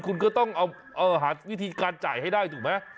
คุณก็ต้องเอาหาวิธีการจ่ายให้ได้ถูกไหม